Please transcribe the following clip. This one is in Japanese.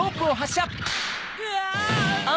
うわ！